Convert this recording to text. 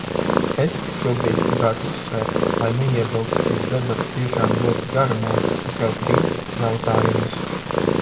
Es šobrīd gribētu uzsvērt, lai neievilktu šīs debates tiešām ļoti garumā, tikai trīs jautājumus.